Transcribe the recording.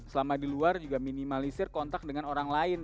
selama di luar juga minimalisir kontak dengan orang lain